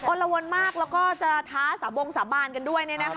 ละวนมากแล้วก็จะท้าสาบงสาบานกันด้วย